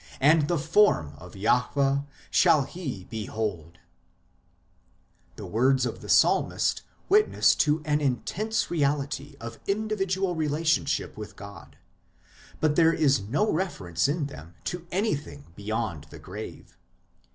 .. and the form of Jahwe shall he behold" The words of the psalmist witness to an intense reality of individual relationship with God ; but there is no reference in them to anything beyond the grave.